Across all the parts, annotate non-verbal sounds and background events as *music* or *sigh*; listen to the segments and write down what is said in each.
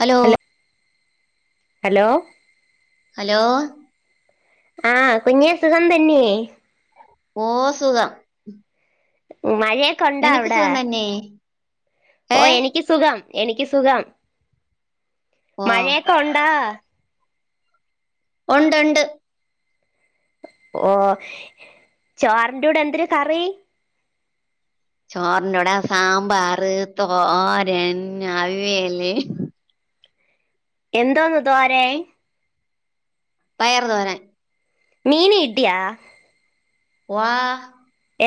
Hello hello hello? Hello ആഹ് കുഞ്ഞേസുഖം തന്നേ? ഓ സുഖം മഴയൊക്കെ ഉണ്ടോ നിനക്ക് അവിടെ സുഖം തന്നെ ഓ ഏ എനിക്ക് സുഖ സുഖം എനിക്ക് സുഖം ഓ മഴയൊക്കെ ഉണ്ടോ? ഉണ്ടണ്ട് ഓ ചോറിന്റെ ടെ ന്തൊരു കറി? ചോറിന്റെ കൂടെ സാമ്പാർ തോരൻ അവിയേല് എന്തോന്ന് തോരൻ പയർ തോരൻ മീന് കിട്ടിയാ? വാ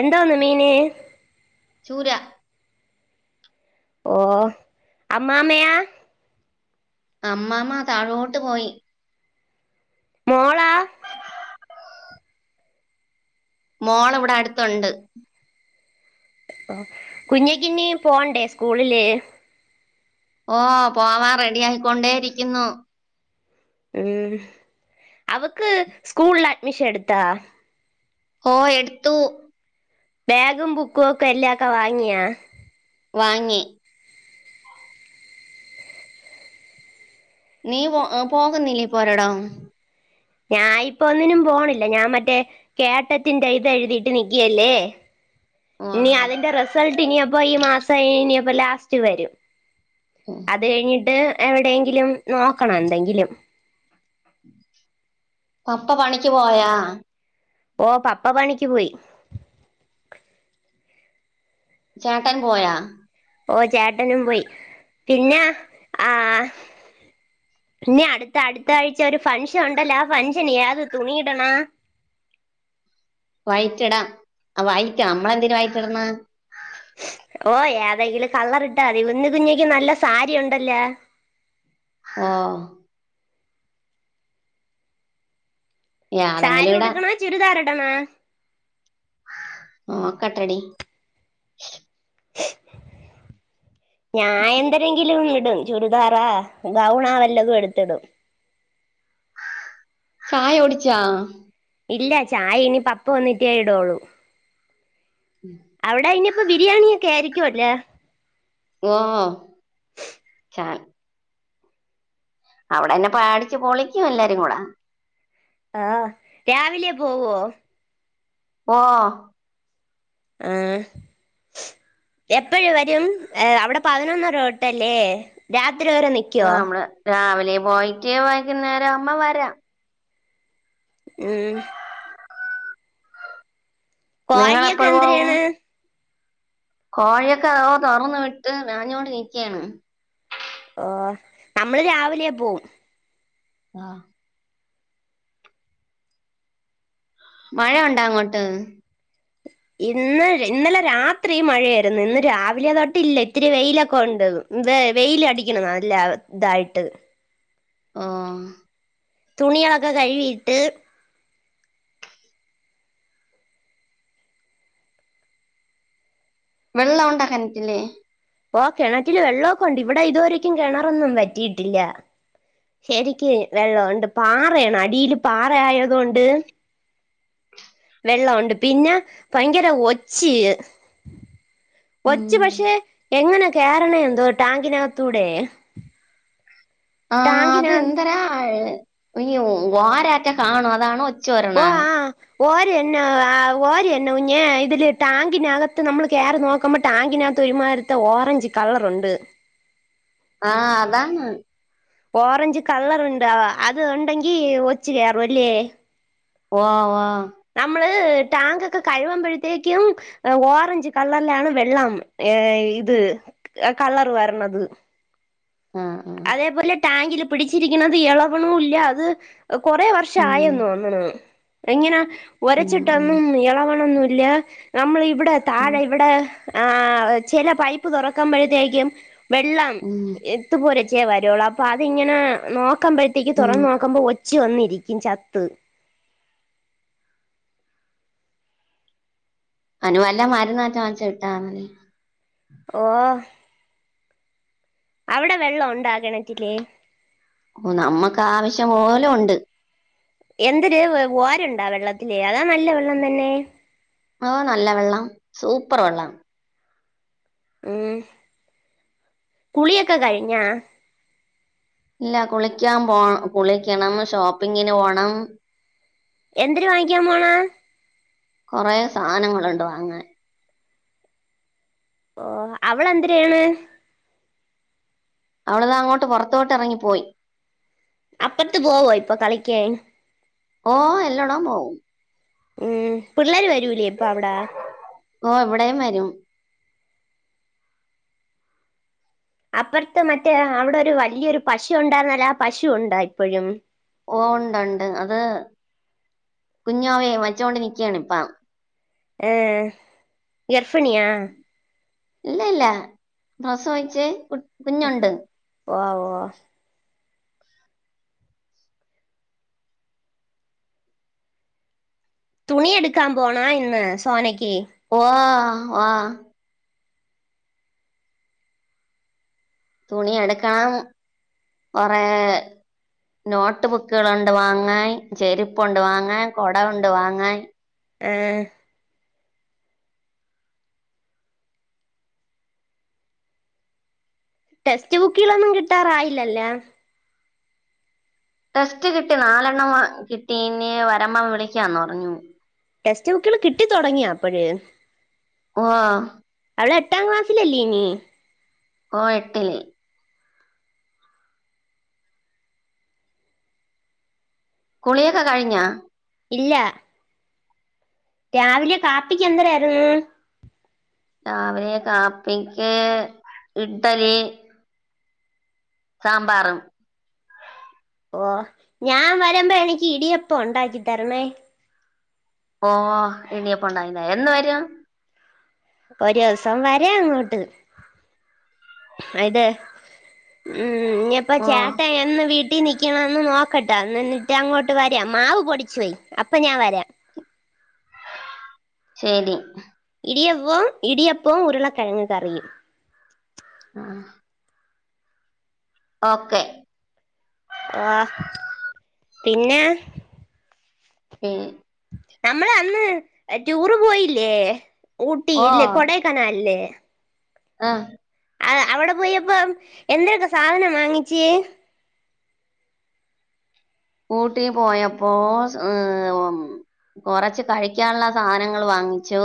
എന്തോന്ന് മീന്? സൂത ഓ ആമ്മാമയാ അമ്മാമ താഴോട്ട് പോയി മോളാ മോള് വിടെ അടുത്തുണ്ട് ഒ കുഞ്ഞിക്ക് ന്ന് പോണ്ടേ സ്കൂളില്? ഓ പോവാൻ റെഡി ആയിക്കൊണ്ടേ ഇരിക്കുന്നു. ഉം അവക്ക് സ്കൂളിൽ അഡ്മിഷൻ എടുത്താ? ഓ എടുത്തു ബാഗും ബുക്കും ഒക്കെ എല്ലാ ഒക്കെ വാങ്ങിയാ? വാങ്ങി നീ പോ പോകുന്നില്ലേ പ്പോരോടം? ഞാൻ ഇപ്പൊ ഒന്നിനും പോണില്ല ഞാൻ മറ്റേ കേട്ടത്തിന്റെ ഇത് എഴുതീട്ട് നിക്കയല്ലേ? വാ ഇനി അതിന്റെ റിസൾട്ട് ഇനിയപ്പം ഈ മാസം ഇനിയപ്പ ലാസ്റ്റ് വരും ഉം അത് കഴിഞ്ഞിട്ട് എവിടെയെങ്കിലും നോക്കണം എന്തെങ്കിലും പപ്പ പണിക്ക് പോയാ ഓ പപ്പ പണിക്ക് പോയി ചേട്ടാൻ പോയാ ഓ ചേട്ടനും പോയി പിന്നെ ആഹ് ഇനി അടുത്ത അടുത്ത ആഴ്ച ഒരു ഫംഗഷൻ ഉണ്ടല്ലോ ആ ഫംഗഷന് ഏത് തുണിയിടണ വൈറ്റ ഇടാം ആ വൈറ്റ നമ്മള എന്തിനാ വായിറ്റ് ഇടന്ന് ഓ ഏതെങ്കിലും കളർ ഇട്ടാമതി കുന്ന് കുഞ്ഞേക്ക് നല്ല സാരി ഉണ്ടല്ലേ ഓഹ് സാരി ഏതെങ്കിലും ഇടാം ഉടുക്കണേ ചുരിദാറിടണാ നോക്കട്ടെ എടി ഞാൻ എന്തരെങ്കിലും ഇടും ചുരിദാറേ ഗൗണാ വല്ലതും എടുത്തിടും ചായ കുടിച്ചോ ഇല്ല ചായ ഇനി പപ്പ വന്നിട്ടേ ഇടൊള്ളൂ ഉം അവിടെ ഇനിയിപ്പ ബിരിയാണി ഒക്കെ ആയിരിക്കും അല്ലേ ഓഹ് ചാ അവിടെ തന്നെ പാടിച്ച്ച് പൊളിക്കും എല്ലാരും കൂടെ ആഹ് രാവിലെ പോവോ ഓഹ് ആഹ് എപ്പോഴ് വരും ഏ അവിടെ പതിനൊന്നര തൊട്ടല്ലേ രാത്രി വരെ നി ആ നമ്മള് രാവിലെ പോയിട്ടേ വൈകുന്നേരം അകുബോ വരാ ഹ് കോഴിയൊക്കെ നിങ്ങളെപ്പോഴും പോവും എൻതൃണ് കോഴിയൊക്കെ ഓ തുറന്ന് വിട്ട് നിറഞ്ഞോട് നിക്കുകയാണ് ഓ നമ്മള് രാവിലെ പോവും ആഹ് മഴ ഉണ്ടാ അങ്ങോട്ട് ഇന്ന് ഇന്നലെ രാത്രി മഴയായിരുന്നു ഇന്ന് രാവിലെ തൊട്ടില്ല ഇത്തിരി വെയിലൊക്കെ ഉണ്ട് വ വെയിലടിക്കണ് നല്ല ഇതായിട്ട് ഓഹ് തുണിയളാക്കെ കഴുകിയിട്ട് വെള്ളൊ വെള്ള ഉണ്ടെ ക്കെൻറ്റില് ഓ കിണറ്റില് വെള്ളോക്കെണ്ട് ഇവിടെ ഇതുവരേക്കും കിണറൊന്നും വറ്റിയിട്ടില്ല ശരിക്ക് വെള്ളം ഉണ്ട് പാറയാണ് അടീൽ പാറ ആയത് കൊണ്ട് വെള്ളം ഉണ്ട് പിന്നെ ഭയങ്കര ഒച്ച് ഒച്ച് പക്ഷെ എങ്ങനെ കേയറണേ എന്തോ ടാങ്കിനകത്തൂടെ ആ അത് ടാങ്കിനാ എന്തരാ ഇ വാരറ്റ കാണും അതാണ് ഒച്ചോ ഓ പറണയ് ആ ഓര് എന്ന ആ ഓര് തന്നെ കുഞ്ഞേ ഇതില് ടാങ്കിനകത്ത് നമ്മൾ കേയറി നോക്കാബോ ടാങ്കിനകത്ത് ഒരുമാരിത്തെ ഓറഞ്ച് കളറ് ഉണ്ട് ആഹ് അതാണ് ഓറഞ്ച് കളർ ഉണ്ടോ അത് ഉണ്ടെങ്കിൽ ഒച്ച് കയറുല്ലേ ഓഹ് ഓഹ് നമ്മള് ടാങ്ക് ഒക്കെ കഴുവുമ്പോഴത്തേക്കും ഓറഞ്ച് കളർലാണ് വെള്ളം ഇത് കളർ വരണത് ആഹ് ആഹ് അതേപോലെ ടാങ്കില് പിടിച്ചിരിക്കണത് എളക്ണുല്ല ഇല്ല അത് കൊറെ വർഷ ഉം ആയെന്നു തോന്ന്ണു എങ്ങനെ ഉം ഉം ഒരച്ചിട്ടൊന്നും എളവണന്നും ഇല്ല നമ്മളെ ഇവിടെ ഉം താഴെ ഇവിടെ ആഹ് ചെല പൈപ്പ് തുറക്കുമ്പ ഴ്ത്തേക്കും വെള്ളം ഉം എത്തുപോരു ച്ചിയേ വരു ഒള്ളൂ അപ്പൊ അത് ഇങ്ങനെ നോക്കുമ്പഴ്ത്തേക്ക് ഉം തൊറന്ന് നോക്കുമ്പോ ഒച്ച് വന്നിരിക്കും ചത്ത് അനുവല്ല മരുന്നറ്റ വാങ്ങിച്ച് ഇട്ട മതി ഓഹ് അവടെ വെള്ളം ഒണ്ടാ കെണറ്റില് ഓഹ് നമ്മക്ക് ആവശ്യം പോലെ ഒണ്ട് എന്തര് ഓര്ണ്ടാ വെള്ളത്തില് അതാ നല്ല വെള്ളം തന്നെ ഓഹ് നല്ല വെള്ള സൂപ്പർ വെള്ളം ഉം കുളിയക്ക കഴിഞ്ഞാ ഇല്ല കുളിക്കാൻ പോ കുളിക്കണം ഷോപ്പിങ്ങിന് പോണം എന്തെര് വാങ്ങിക്കാൻ പോണേ കൊറെ സാധനങ്ങളൊണ്ട് വാങ്ങൻ ഓഹ് അവളെന്തരെയ്യണ് അവള്താ അങ്ങോട്ട് പുറത്തോട്ട് എറങ്ങിപ്പോയി അപ്പറത്ത് പോവോ ഇപ്പൊ കളിക്കാൻ ഓഹ് എല്ലടം പോവും ഉം പിള്ളേര് വരൂലേ ഇപ്പ അവ്ടെ ഓഹ് എവിടെയും വരും അപ്പറത്ത് മറ്റേ അവിടെ ഒരു വലിയൊരു പശു ഒണ്ടായിര്ന്നല്ല ആ പശു ഒണ്ട ഇപ്പോഴും ഓഹ് ഒണ്ടൊണ്ട് അത് കുഞ്ഞുവാവയെ വച്ചൊണ്ട് നിക്കായാണ് ഇപ്പം ഏഹ് ഗർഫിണിയാ ഇല്ല ഇല്ല പ്രസവിച്ച് കു കുഞ്ഞൊണ്ട് ഓവ ഓവ തുണി എടുക്കാമ്പോണ ഇന്ന് സോനക്കി ഓ വോ തുണി എട്ക്കണം കൊറെ നോട്ട് ബുക്ക്കള് ഒണ്ട് വാങ്ങാൻ ചെര്പ്പൊണ്ട് വാങ്ങാൻ കൊട ഒണ്ട് വാങ്ങാൻ ഏഹ് ടെസ്റ്റ് ബുക്കിലൊന്നും കിട്ടാറായില്ലല്ല ടെസ്റ്റ് കിട്ടി നാലെണ്ണം വ കിട്ടി ഇനി വരമ്പം വിളിക്കാന്ന് പറഞ്ഞു ടെസ്റ്റ് ബുക്ക്കള് കിട്ടി തൊടങ്ങിയാ അപ്പയ് ഓഹ് അവളെ എട്ടാം ക്ലാസ്സിലല്ലീ ഇനി ഓഹ് എട്ടില് കുളിയൊക്ക കഴിഞ്ഞ ഇല്ല രാവിലെ കാപ്പിക്കി എന്തരായിര്ന്ന് രാവിലെ കാപ്പിക്കി ഇഡലി സാമ്പാറും ഓഹ് ഞാൻ വരുമ്പം എനിക്ക് ഇടിയപ്പം ഒണ്ടാക്കി തരണേ ഓഹ് ഇടിയപ്പം ഒണ്ടാക്കി തര എന്ന് വരും ഒരി ഓസം വര അങ്ങോട്ട് *unintelligible* ഉം ഇനി എപ്പ ഓ ചേട്ടൻ എന്ന് വീ ട്ടി നിക്കിണന്ന് നോക്കട്ടെന്ന് എന്നിട്ട് അങ്ങോട്ട് വരാം മാവ് പൊടിച്ച് വെയി അപ്പൊ ഞാൻ വരാ ശെരി ഇടിയപ്പം ഇടിയപ്പം ഉരുളകെഴങ് കറിയും ആഹ് ഓക്കെ ആഹ്.. പിന്നേ ഏയ് നമ്മളന്ന് എ ടൂറ് പോയില്ലേ ഓ ഊട്ടില്ല് കൊടൈകനാലില് ആഹ് ആ അവിടെ പോയപ്പോ എന്തേക്കെ സാധനം വാങ്ങിച്ച്? ഊട്ടി പോയപ്പോ സ് ഏ മ് കൊറച്ച് കഴിക്കാൻള്ള സാനങ്ങൾ വാങ്ങിച്ചു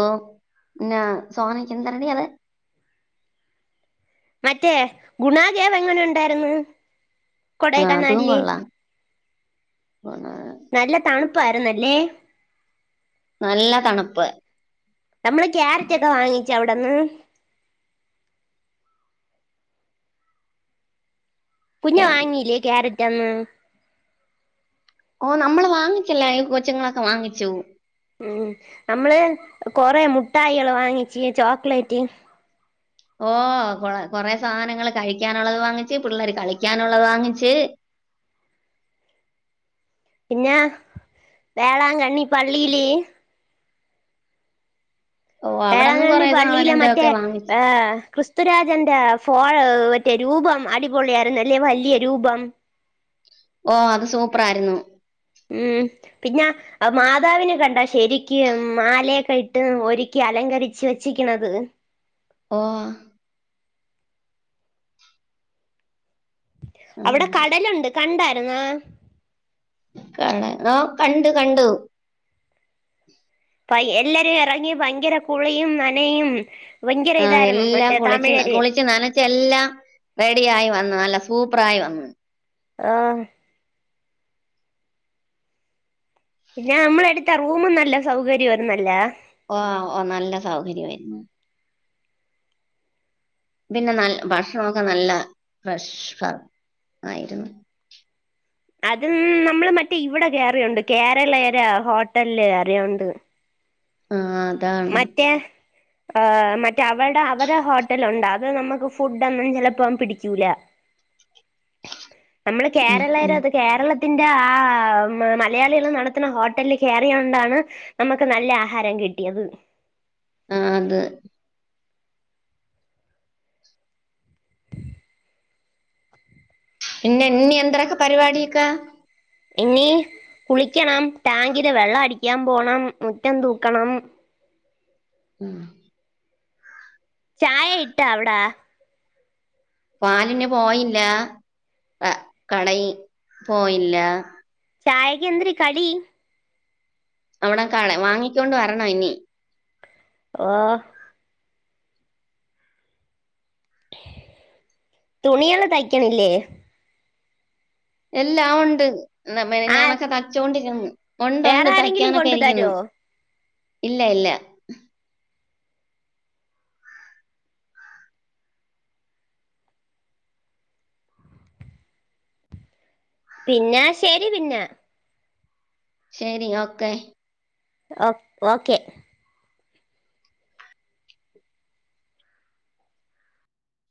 പിന്നെ സോനക്ക് എന്തരടി അത്? മറ്റേ ഗുണാ കേവ് എങ്ങനൊണ്ടായിരുന്നു ആഹ് തും കൊള്ളാം നല്ല തണുപ്പായിര്ന്നല്ലേ? നല്ല തണുപ്പ് നമ്മള് ക്യാരറ്റൊക്കെ വാങ്ങിച്ചവ്ടന്ന് കുഞ്ഞ് ഒക്കെ വാങ്ങില്ലേ ക്യാരറ്റൊന്നും ഓ നമ്മള് വാങ്ങിച്ചല്ലേയ് കൊച്ചുങ്ങളൊക്കെ വാങ്ങിച്ചു ഉംഹ് നമ്മള് കൊറെ മുട്ടായള് വാങ്ങിച്ച് ചോക്ലേറ്റ് ഓ കൊ കൊറെ സാധനങ്ങള് കഴിക്കാനുള്ളത് വാങ്ങിച്ച് പിള്ളേര് കളിക്കാനുള്ളത് വാങ്ങിച്ച് പിന്നേ വേളാങ്കണ്ണി പള്ളീല് ഓ അവിടെന്നും വേളാങ്ങണ്ണി കൊറേ സാധനം പള്ളീല് മറ്റേ എന്തൊക്കെ ഏ വാങ്ങിച്ചു കൃസ് ക്രിസ്തു രാജന്റെ ഫോ യ് മറ്റേ രൂപം അടിപൊളിയായിരുന്നല്ലേ വല്യരൂപം ഓ.. അത് സൂപ്രായിരുന്നു ഉംഹ് പിന്നാ അ മാതാവിനെ കണ്ടാ ശരിക്കും മാലയൊക്കെട്ട് ഒരിക്കി അലങ്കരിച്ചെ ച്ചിരിക്കണത് ഓഹ് ഉം അവിടെ കടലുണ്ട് കണ്ടായിരുന്നാ കട ആഹ് കണ്ട് കണ്ടു പ യ് എല്ലരും എറങ്ങി ഭയങ്കര കുളിയും നനയും ഭയങ്കര ആ ഇതായിരുന്നു എല്ലാം മറ്റേ കുളിച്ച് തമിഴര് കുളിച്ചു നനച് ച്ചെല്ലാം റെഡിയായി വന്ന്‌ നല്ല സൂപ്പറായി വന്ന്‌ ആഹ് പിന്നെ നമ്മളെടുത്ത റൂമും നല്ല സൗകര്യാര്ന്നല്ല ഓഹ് ഓ നല്ല സൗകര്യവായിരുന്നു പിന്നെ ന ഭക്ഷണൊക്കെ നല്ല ഫ്രഷ് ആയിരുന്നു അതു നമ്മള് മറ്റേ ഇവിടെ കേറിയോണ്ട് കേരളേര ഹോട്ടല്ല് കേറിയോണ്ട് ആ അതാണ് മറ്റേ ആഹ് മറ്റേ അവൾടെ അവരെ ഹോട്ടലുണ്ട് അത് നമ്മക്ക് ഫുഡൊന്നും ചെലപ്പം പിടിക്കൂല നമ്മള് ഉം, കേരളേര ഉം. ത് കേരള ത്തിന്റെ ആ.. മ് മലയാളികൾ നടത്തുന്ന ഹോട്ടലിൽ കേറിയോണ്ടാണ് മ്മക്ക് നല്ല ആഹാരം കിട്ടിയത് ആഹ് ത് പിന്നെ ന്യേ എന്ത്രഹ്ക പരിവാടിയൊക്കെ? ഇനീ കുളിയ്ക്കണം ടാങ്കില് വെള്ളം അടിക്കാൻ പോണം മുറ്റം തൂക്കണം ഉം. ചായയിട്ടാ അവ്ടാ പാലിന് പോയില്ല അ കടയി പോയില്ല ചായെയ്ക്കെന്തിര് കടി? അവ്ടെ കടം വാങ്ങിക്കൊണ്ട് വരണനി ഓഹ് തുണിയൊന്നും തയ്ക്കണില്ലേ എല്ലാം ഉണ്ട് ആ മെനങാനൊക്കെ തയ്ച്ചൊണ്ടിരുന്ന് വേറെ ഉണ്ടൊണ്ട് ആരെങ്കിലും തയ്ക്കാനൊക്കെ കൊണ്ടു ഇരിക്കുന്നു തരോ ഇല്ല ഇല്ല പിന്നാ ശരി പിന്നെ ശരി ഓക്കെ ഓ ഓക്കേ